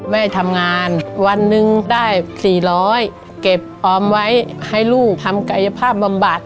แม่ทำงานวันหนึ่งได้๔๐๐เก็บออมไว้ให้ลูกทำกายภาพบำบัด